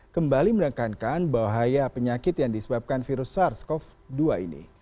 kembali menekankan bahaya penyakit yang disebabkan virus sars cov dua ini